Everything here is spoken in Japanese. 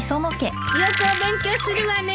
よくお勉強するわね。